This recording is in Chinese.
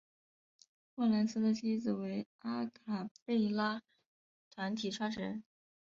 霍蓝斯的妻子为阿卡贝拉团体创始人。